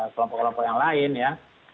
kelompok kelompok yang lain ya